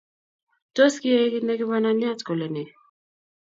Tos kiek ine kibananiat kole nee